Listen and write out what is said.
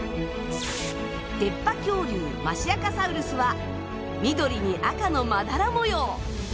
出っ歯恐竜マシアカサウルスは緑に赤のまだら模様。